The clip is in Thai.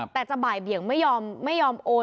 แต่จะบ่ายเบียงไม่ยอมโอน